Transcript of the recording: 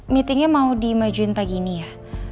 meetingnya mau dimajuin pagi ini ya